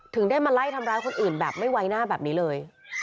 ถึงได้มาไล่ทำร้ายคนอื่นแบบไม่ไว้หน้าแบบนี้เลย